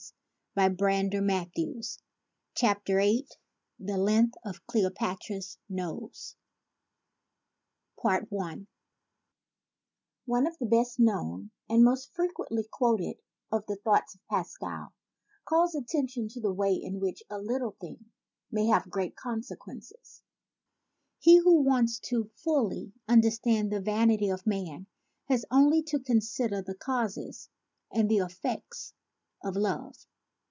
128 VIII ON THE LENGTH OF CLEOPATRA'S NOSE vm ON THE LENGTH OF CLEOPATRA'S NOSE ONE of the best known and most frequently quoted of the 'Thoughts' of Pascal calls attention to the way in which a little thing may have great consequences. "He who wants a full understanding of the vanity of man has only to consider the causes and the effects of love.